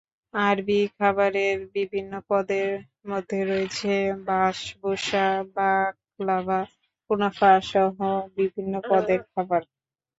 আরবি খাবারের বিভিন্ন পদের মধ্যে রয়েছে বাসবুসা, বাকলাভা, কুনাফাসহ বিভিন্ন পদের খাবার।